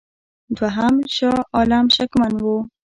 دوهم شاه عالم شکمن وو.